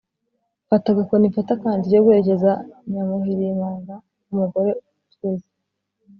Fata agakoni mfate akandi tujye guherekeza Nyamuhirimanga-Umugore utwite.